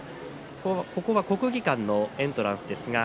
ここは国技館のエントランスです。